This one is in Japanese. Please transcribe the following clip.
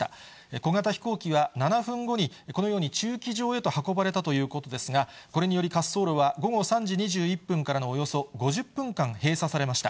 小型飛行機は７分後に、このように、駐機場へと運ばれたということですが、これにより滑走路は、午後３時２１分からのおよそ５０分間閉鎖されました。